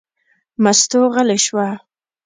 مستو غلې شوه.